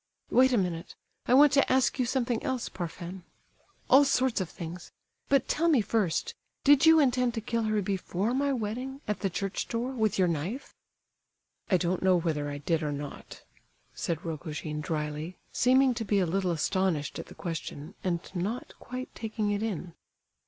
"Wait a minute, I want to ask you something else, Parfen; all sorts of things; but tell me first, did you intend to kill her before my wedding, at the church door, with your knife?" "I don't know whether I did or not," said Rogojin, drily, seeming to be a little astonished at the question, and not quite taking it in.